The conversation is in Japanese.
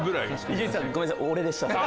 伊集院さんごめんなさい俺でしたそれ。